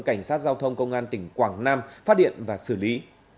cảnh sát giao thông công an tỉnh quảng nam phát hiện và xử lý